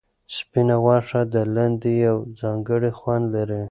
سپینه غوښه د لاندي یو ځانګړی خوند لري.